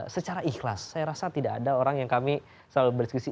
secara ikhlas saya rasa tidak ada orang yang kami selalu berdiskusi